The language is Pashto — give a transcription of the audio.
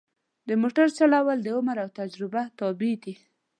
د موټر چلول د عمر او تجربه تابع دي.